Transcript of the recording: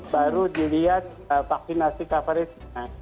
baru dilihat vaksinasi coverage nya